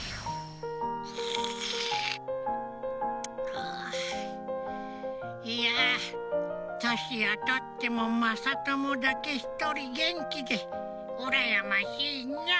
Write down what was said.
はあいやとしをとってもまさともだけひとりげんきでうらやましいのう。